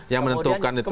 yang menentukan itu